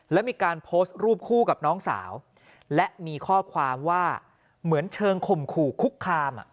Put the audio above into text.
และมีการโพสต์รูปคู่กับน้องสาวและมีข้อความว่าเหมือนเชิงข่มขู่คุกคาม